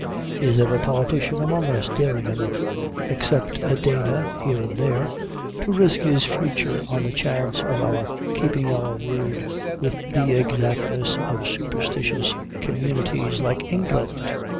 Is there a politician among us daring enough (except a Dana here and there) to risk his future on the chance of our keeping our word with the exactness of superstitious communities like England?